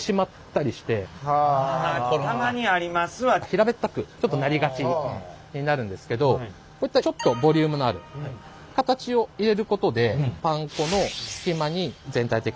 平べったくなりがちになるんですけどこういったちょっとボリュームのある形を入れることでパン粉の隙間に全体的な立体感が出る。